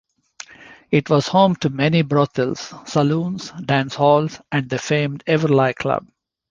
It was home to many brothels, saloons, dance halls, and the famed Everleigh Club.